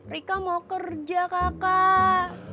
rika mau kerja kakak